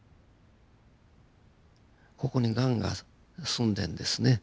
ここにガンがすんでんですね。